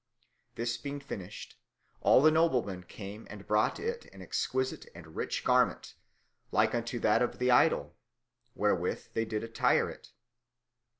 This being finished, all the noblemen came and brought it an exquisite and rich garment, like unto that of the idol, wherewith they did attire it.